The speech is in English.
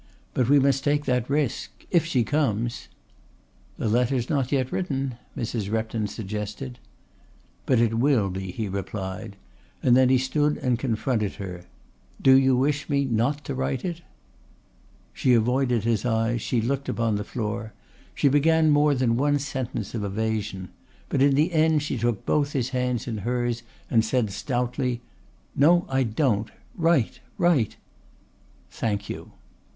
"But we must take that risk if she comes." "The letter's not yet written," Mrs. Repton suggested. "But it will be," he replied, and then he stood and confronted her. "Do you wish me not to write it?" She avoided his eyes, she looked upon the floor, she began more than one sentence of evasion; but in the end she took both his hands in hers and said stoutly: "No, I don't! Write! Write!" "Thank you!"